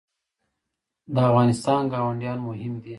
د افغانستان ګاونډیان مهم دي